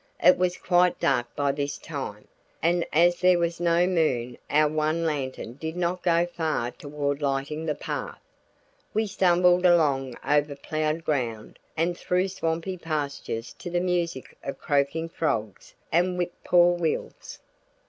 It was quite dark by this time, and as there was no moon our one lantern did not go far toward lighting the path. We stumbled along over plowed ground and through swampy pastures to the music of croaking frogs and whip poor wills.